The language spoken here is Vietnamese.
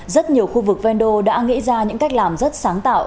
rất nhiều khu vực vendô đã nghĩ ra những cách làm rất sáng tạo